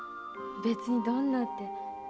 別にどんなって。